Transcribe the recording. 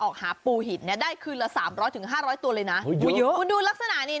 หาปูหินเนี้ยได้คืนละสามร้อยถึงห้าร้อยตัวเลยนะคุณดูลักษณะนี่